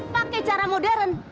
pakai cara modern